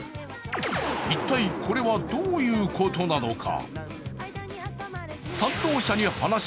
一体、これはどういうことなのか？